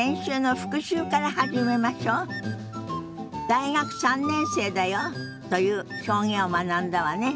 「大学３年生だよ」という表現を学んだわね。